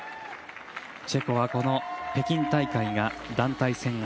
チェコは北京大会が団体戦